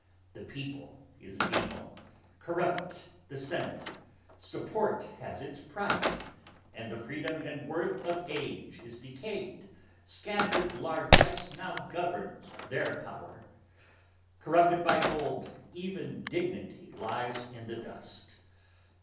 The people is venal; corrupt The Senate; support has its price! And the freedom and worth Of age is decayed, scattered largesse now governs their power; Corrupted by gold, even dignity lies in the dust.